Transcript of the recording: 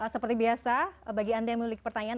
seperti biasa bagi anda yang memiliki pertanyaan